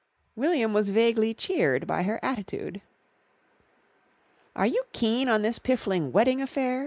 William was vaguely cheered by her attitude. "Are you keen on this piffling wedding affair?"